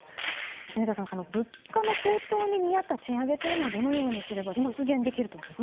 住田さん、物価の高騰に見合った賃上げというのはどのようにすれば実現すると思いますか。